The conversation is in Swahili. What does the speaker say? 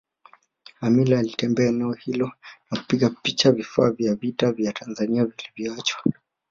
Amin alitembelea eneo hilo na kupiga picha vifaa vya vita vya Tanzania vilivyoachwa